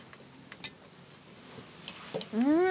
うん。